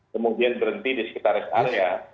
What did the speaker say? kemudian berhenti di sekitar rest area